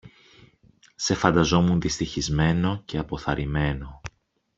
Σε φανταζόμουν δυστυχισμένο και αποθαρρυμένο